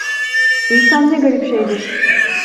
İnsan ne garip şeydir!